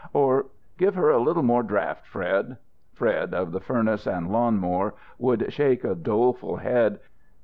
Or: "Give her a little more draft, Fred." Fred, of the furnace and lawn mower, would shake a doleful head.